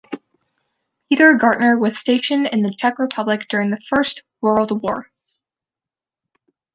Peter Gartner was stationed in the Czech Republic during the First World War.